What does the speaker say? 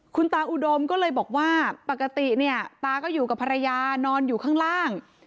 คุณตาอุดมก็เลยบอกว่าปกติเนี่ยตาก็อยู่กับภรรยานอนอยู่ข้างล่าง